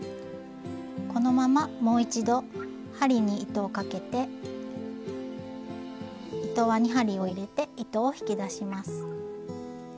このままもう一度針に糸をかけて糸輪に針を入れて糸を引き出します。